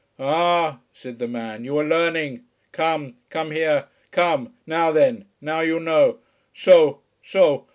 "Ah," said the man, "you are learning. Come! Come here! Come! Now then! Now you know. So! So!